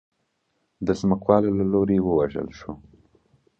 د ځمکوالو له لوري ووژل شو.